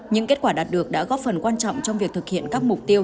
những kết quả đạt được đã góp phần quan trọng trong việc thực hiện các mục tiêu